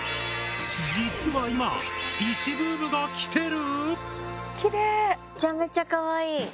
実は今石ブームがきてる？